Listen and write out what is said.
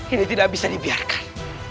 ini tidak bisa dibiarkan